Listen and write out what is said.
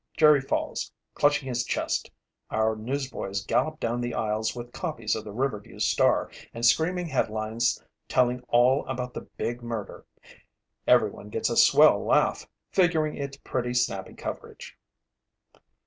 Jerry falls, clutching his chest. Our newsboys gallop down the aisles with copies of the Riverview Star and screaming headlines telling all about the big murder. Everyone gets a swell laugh, figuring it's pretty snappy coverage."